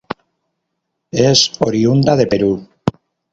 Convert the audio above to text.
Es oriunda de Perú.